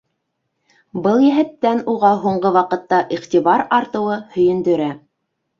Был йәһәттән уға һуңғы ваҡытта иғтибар артыуы һөйөндөрә.